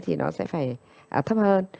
thì nó sẽ phải thấp hơn